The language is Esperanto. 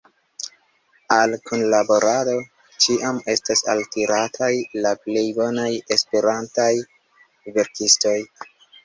Al kunlaborado ĉiam estas altirataj la plej bonaj esperantaj verkistoj.